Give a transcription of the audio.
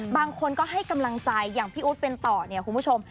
บางคนก็ให้กำลังใจอย่างพี่อู๊ดเป็นต่อเนี่ยคุณผู้ชม